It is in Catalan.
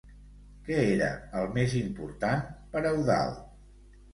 Què era el més important per Eudald?